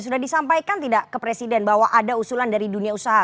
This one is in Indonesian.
sudah disampaikan tidak ke presiden bahwa ada usulan dari dunia usaha